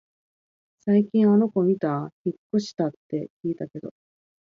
最近あの子みた？引っ越したって聞いたけど